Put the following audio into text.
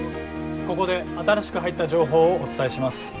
ここで新しく入った情報をお伝えします。